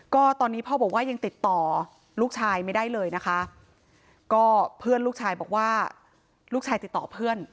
ก็ตอนนี้พ่อบอกว่ายังติดต่อลูกชายไม่ได้เลยนะคะก็เพื่อนลูกชายบอกว่าลูกชายติดต่อเพื่อน